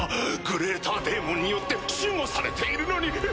グレーターデーモンによって守護されているのに！